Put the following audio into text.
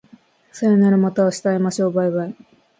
さようならまた明日会いましょう baibai